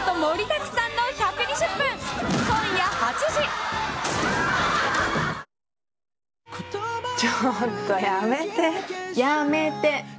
ちょっとやめて、やめて！